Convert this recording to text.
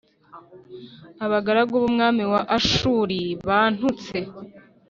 abagaragu b umwami wa Ashuri bantutse